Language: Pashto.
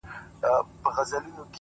• قربان د ډار له کيفيته چي رسوا يې کړم ـ